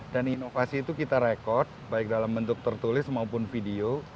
inovasi itu kita rekod baik dalam bentuk tertulis maupun video